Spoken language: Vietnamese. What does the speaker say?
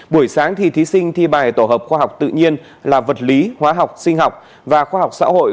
buổi sáng thì thí sinh thi bài tổ hợp khoa học tự nhiên là vật lý hóa học sinh học và khoa học xã hội